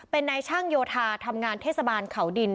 เป็นนายช่างโยธาทำงานเทศบาลเขาดิน